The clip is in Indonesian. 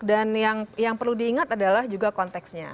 dan yang perlu diingat adalah juga konteksnya